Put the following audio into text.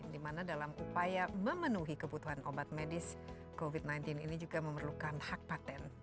di mana dalam upaya memenuhi kebutuhan obat medis covid sembilan belas ini juga memerlukan hak patent